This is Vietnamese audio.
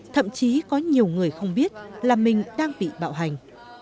thậm chí có nhiều người không biết là mình đang bị bạo hành